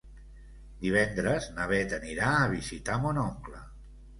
Divendres na Bet anirà a visitar mon oncle.